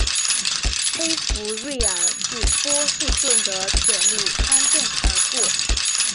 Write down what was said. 黑弗瑞尔至波士顿的铁路穿镇而过。